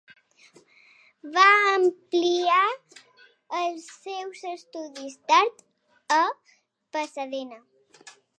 Va ampliar els seus estudis d'art a Pasadena.